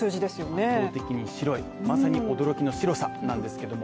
圧倒的に白いまさに驚きの白さなんですけれども。